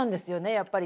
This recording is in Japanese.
やっぱり。